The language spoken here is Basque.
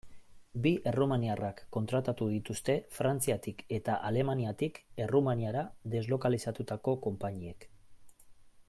Bi errumaniarrak kontratatu dituzte Frantziatik eta Alemaniatik Errumaniara deslokalizatutako konpainiek.